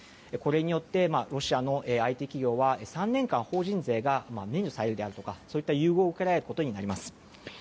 これによってロシアのＩＴ企業は３年間法人税が免除されるだとかそういった優遇を受けられることになります。